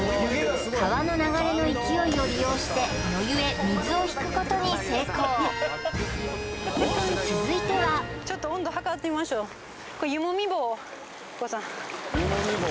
川の流れの勢いを利用して野湯へ水を引くことに成功ちょっと温度測ってみましょうヒコさん